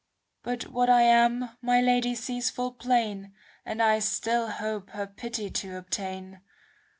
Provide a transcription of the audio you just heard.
But what I am my Lady sees full plain, And I still hope her pity to obtain.